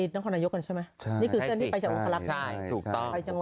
ถูกต้อง